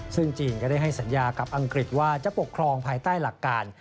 ซึ่งจีนก็ได้ให้สัญญากับอังกฤษว่าจะปกครองภายใต้หลักการ